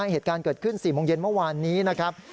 เหตุการณ์เกิดขึ้น๔โมงเย็นเมื่อวานนี้นะครับ